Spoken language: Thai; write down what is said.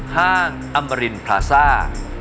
ห้างอมรินพลาซ่า